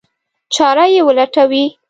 چاره یې ولټوي.